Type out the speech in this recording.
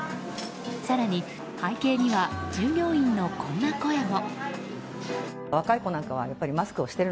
更に背景には従業員のこんな声も。